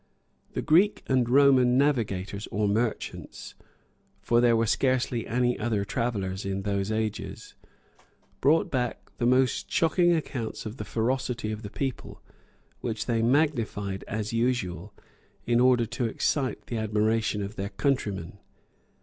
The Greek and Roman navigators or merchants (for there were scarcely any other travellers in those ages) brought back the most shocking accounts of the ferocity of the people, which they magnified, as usual, in order to excite the admiration of their countrymen.